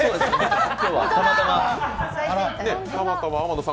今日はたまたま。